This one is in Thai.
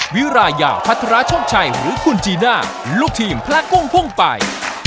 วิรายาวพัทราชกชัยหรือคุณจีน่าลูกทีมพระกุ้งพุ่งไป